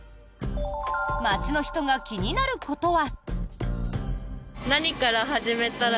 街の人が気になることは。